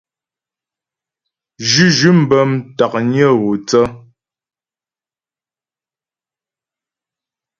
Zhʉ́zhʉ̂m bə́ ntǎknyə gho thə.